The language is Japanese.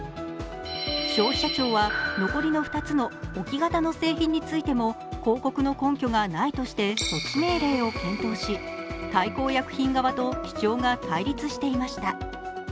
消費者庁は残りの２つの置き型の製品についても広告の根拠がないとして措置命令を検討し、大幸薬品側と主張が対立していました。